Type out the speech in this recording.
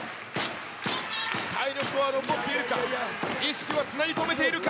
体力は残っているか、意識はつなぎとめているか。